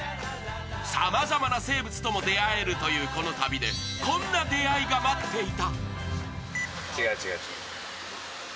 さまざまな生物とも出会えるというこの旅でこんな出会いが待っていた。